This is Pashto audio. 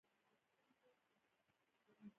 یو نیم به یې امتیازي حیثیت ترلاسه کړی و.